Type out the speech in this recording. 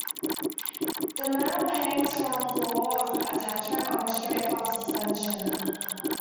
The medal hangs from a claw attachment on a straight bar suspension.